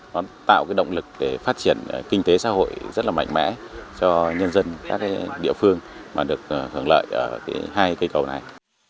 nó tạo cái động lực để phát triển kinh tế xã hội rất là mạnh mẽ cho nhân dân các địa phương mà được hưởng lợi ở hai cây cầu này